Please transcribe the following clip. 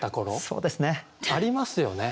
そうですね。ありますよね？